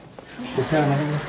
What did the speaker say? お世話になります。